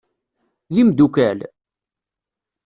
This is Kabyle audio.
D imdukal?